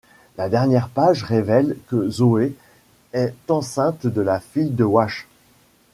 La dernière page révèle que Zoe est enceinte de la fille de Wash.